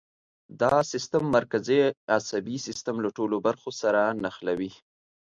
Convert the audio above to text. دا سیستم مرکزي عصبي سیستم له ټولو برخو سره نښلوي.